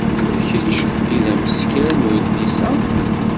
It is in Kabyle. D kečč ay d ameskar n udlis-a?